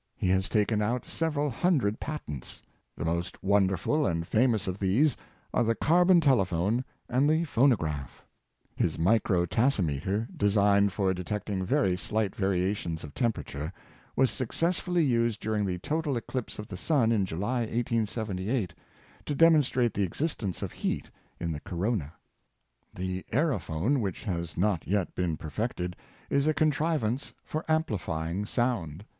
He has taken out several hundred patents. The most wonderful and famous of these are the carbon telephone and the phon ograph. His micro tasimeter, designed for detecting very slight variations of temperature, was successfully used during the total ecHpse of the sun in Jul}', 1878, to demonstrate the existence of heat in the Corona. Thomas A. Edison. 185 The aerophone, which has not yet been perfected, is a contrivance for ampHfying sound.